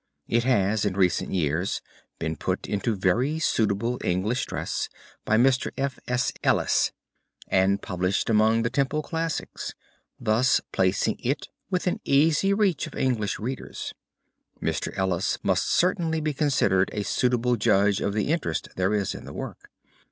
It has in recent years been put into very suitable English dress by Mr. F. S. Ellis and published among the Temple Classics, thus placing it within easy reach of English readers. Mr. Ellis must certainly be considered a suitable judge of the interest there is in the work.